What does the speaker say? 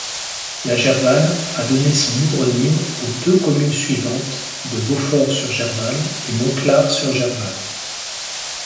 La Gervanne a donné son hydronyme aux deux communes suivantes de Beaufort-sur-Gervanne et Montclar-sur-Gervanne.